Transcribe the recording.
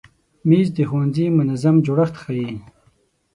مېز د ښوونځي منظم جوړښت ښیي.